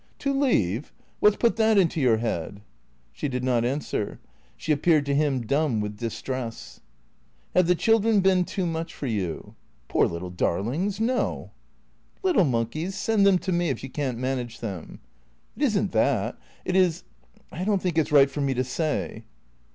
" To leave? What 's put that into your head? " She did not answer. She appeared to him dumb with dis tress. " Have the children been too much for you ?"" Poor little darlings — no." " Little monkeys. Send them to me if you can't manage them." " It is n't that. It is — I don't think it 's right for me to stay."